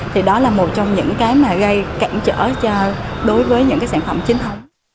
thì đó là một trong những cái mà gây cản trở cho đối với những cái sản phẩm chính thống